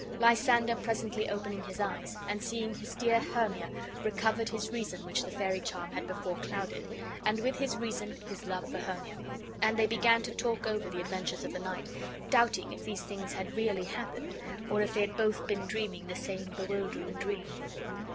Lysander presently opening his eyes, and seeing his dear Hermia, recovered his reason which the fairy charm had before clouded, and with his reason his love for Hermia; and they began to talk over the adventures of the night, doubting if these things had really happened, or if they bad both been dreaming the same bewildering dream.